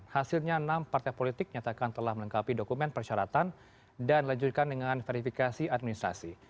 hasilnya enam partai politik nyatakan telah melengkapi dokumen persyaratan dan dilanjutkan dengan verifikasi administrasi